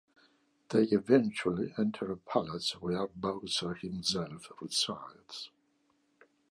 They eventually enter a palace where Bowser himself resides.